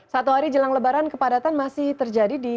satu hari jelang lebaran kepadatan masih terjadi di